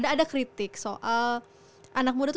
ada kritik soal anak muda itu